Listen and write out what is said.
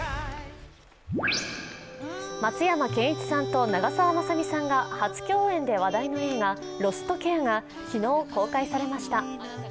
松山ケンイチさんと長澤まさみさんが初共演で話題の映画、「ロストケア」が昨日公開されました。